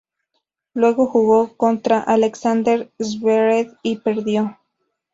Luego jugó contra Alexander Zverev y perdió.